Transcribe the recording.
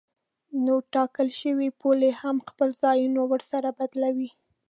نو ټاکل شوې پولې هم خپل ځایونه ورسره بدلوي.